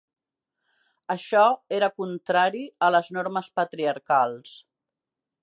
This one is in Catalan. Això era contrari a les normes patriarcals.